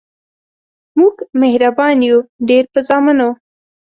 مونږ مهربان یو ډیر په زامنو